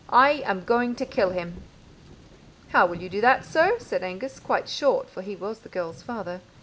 I am going to kill him.' 'How will you do that, sir?' said Angus, quite short, for he was the girl's father.